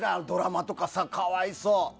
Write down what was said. ドラマとかさ、かわいそう。